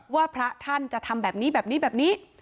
ว่าพระท่านจะทำแบบนี้แบบนี้แบบนี้